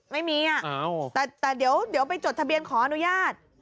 ไม่มีอ่ะแต่เดี๋ยวไปจดทะเบียนขออนุญาต